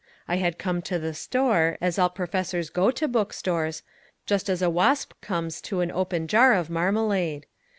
I had come to the store, as all professors go to book stores, just as a wasp comes to an open jar of marmalade.